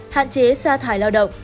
hạn chế sa thải lao động